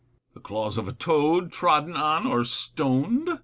The claws of a toad, trodden on or stoned.